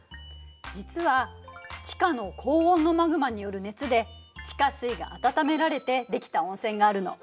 実は地下の高温のマグマによる熱で地下水が温められてできた温泉があるの。